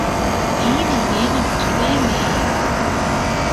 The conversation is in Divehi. ހީވީ މޭގަނޑު އަނގަޔަށް އައިހެން